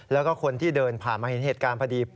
แล้วก็คนที่เดินผ่านมาเห็นเหตุการณ์พอดี